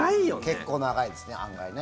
結構長いですね案外ね。